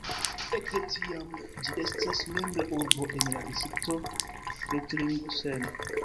Ekde tiam ĝi estas membra urbo en la distrikto Recklinghausen.